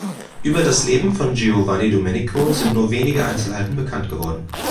Über das Leben von Giovanni Domenico sind nur wenige Einzelheiten bekannt geworden.